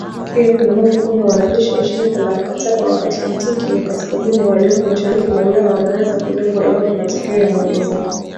Pia kuna hofu kwamba wanajeshi wa Shirika la Mkataba wa Atlantiki ya Kaskazini walioko mashariki mwa Ulaya wanaweza kulengwa iwapo matukio yanaongezeka